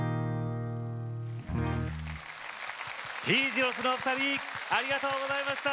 Ｔ字路ｓのお二人ありがとうございました！